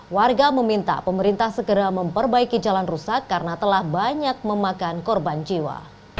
warga meminta pemerintah segera memperbaiki jalan rusak karena telah banyak memakan korban jiwa